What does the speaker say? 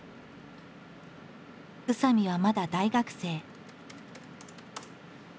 宇佐見はまだ大学生。